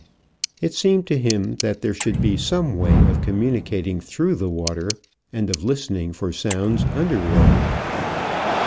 It seemed to him that there should be some way of communicating through the water and of listening for sounds underwater.